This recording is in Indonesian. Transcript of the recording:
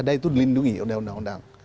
ada itu dilindungi oleh undang undang